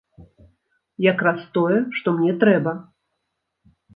Якраз тое, што мне трэба!